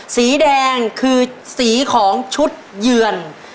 สีแดงคือสีของชุดเยือน